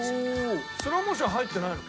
『スローモーション』は入ってないの？